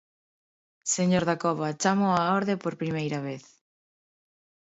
Señor Dacova, chámoo á orde por primeira vez.